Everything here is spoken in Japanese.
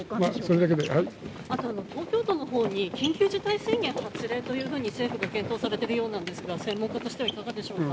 東京都のほうで緊急事態宣言発令と政府で検討されているようですが専門家としてはいかがでしょうか。